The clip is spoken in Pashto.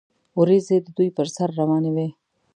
وریځې د دوی پر سر روانې وې.